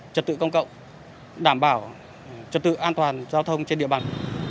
trật tự công cộng đảm bảo trật tự an toàn giao thông trên địa bàn